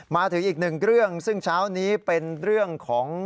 มาถึงอีกหนึ่งเรื่องซึ่งเช้านี้เป็นเรื่องของ